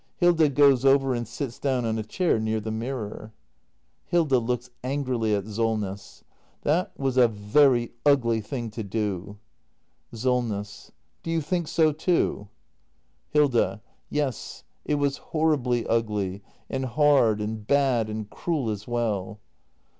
Hilda goes over and sits down on a chair near the mirror. Hilda. [Looks angrily at Solness.] That was a very ugly thing to do. Solness. Do you think so, too ? 358 THE MASTER BUILDER [act ii Hilda. Yes, it was horribly ugly — and hard and bad and cruel as well.